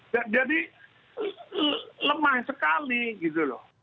jadi lemah sekali gitu loh